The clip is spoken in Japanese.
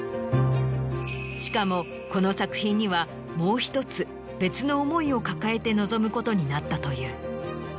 しかもこの作品にはもう１つ別の想いを抱えて臨むことになったという。